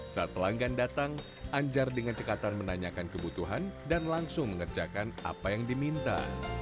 saat pelanggan datang anjar dengan cekatan menanyakan kebutuhan dan langsung mengerjakan apa yang diminta